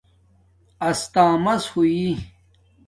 استݳمس ہوئ